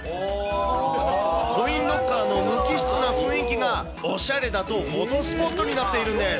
コインロッカーの無機質な雰囲気がおしゃれだと、フォトスポットになっているんです。